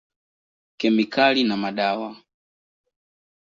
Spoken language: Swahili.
Kemikali na madawa.